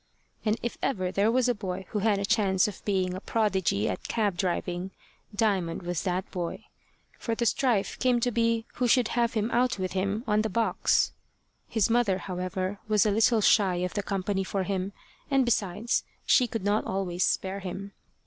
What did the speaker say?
And if ever there was a boy who had a chance of being a prodigy at cab driving, Diamond was that boy, for the strife came to be who should have him out with him on the box. His mother, however, was a little shy of the company for him, and besides she could not always spare him.